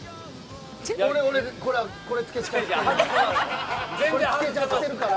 俺、これ着けちゃってるんで。